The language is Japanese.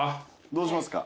どうしますか？